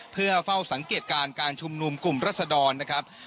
เพื่อเฝ้าสังเกตการณ์การชุมนุมกลุ่มรัศดรนะครับ